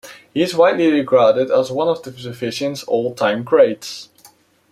He is widely regarded as one of the division's all-time greats.